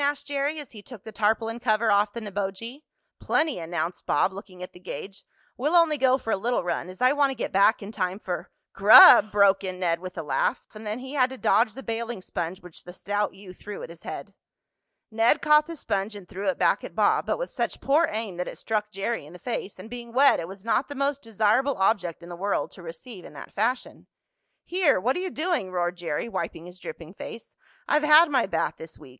asked Jerry, as he took the tarpaulin cover off the Neboje. "Plenty," announced Bob, looking at the gauge. "We'll only go for a little run, as I want to get back in time for " "Grub!" broke in Ned with a laugh, and then he had to dodge the bailing sponge which the stout youth threw at his head. Ned caught the sponge and threw it back at Bob, but with such poor aim that it struck Jerry in the face, and, being wet, it was not the most desirable object in the world to receive in that fashion. "Here! What are you doing?" roared Jerry, wiping his dripping face. "I've had my bath this week.